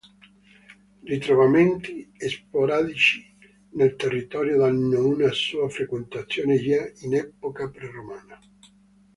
Ritrovamenti sporadici nel territorio danno una sua frequentazione già in epoca pre-romana.